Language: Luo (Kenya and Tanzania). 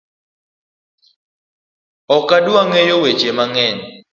Ok adwa ng'eyo weche mang'eny